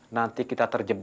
nanti kita terjebak